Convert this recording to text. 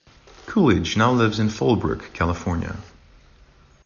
Coolidge now lives in Fallbrook, California.